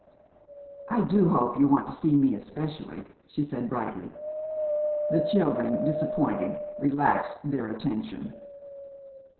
"I do hope you want to see me especially!" she said brightly. The children, disappointed, relaxed their attention.